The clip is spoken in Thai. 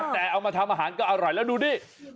แต่เอามาทำอาหารก็อร่อยแล้วดูดิ